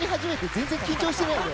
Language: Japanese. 全然緊張していないよね。